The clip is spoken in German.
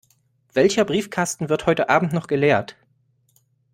Welcher Briefkasten wird heute Abend noch geleert?